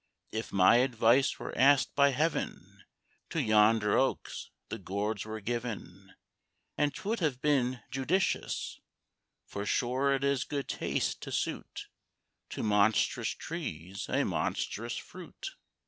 If my advice were asked by Heaven, To yonder oaks the gourds were given, And 'twould have been judicious; For sure it is good taste to suit To monstrous trees a monstrous fruit.